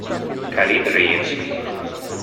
Khalid Reeves